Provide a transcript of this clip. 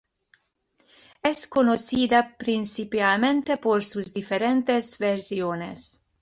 Es conocida principalmente por sus diferentes versiones.